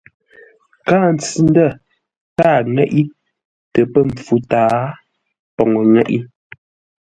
Kâa ntsʉ-ndə̂ kâa ŋeʼé tə pə̂ mpfu tâa poŋə́ ŋeʼé.